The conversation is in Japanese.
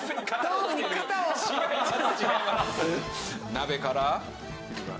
鍋から？